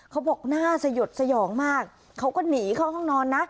เขาบอกน่าสยดสยองมากเขาก็หนีเข้าห้องนอนนะ